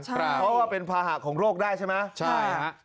เพราะว่าเป็นภาหะของโรคได้ใช่ไหมใช่ฮะ